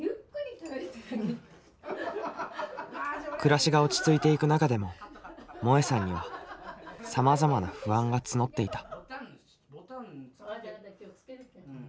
暮らしが落ち着いていく中でももえさんにはさまざまな不安が募っていた。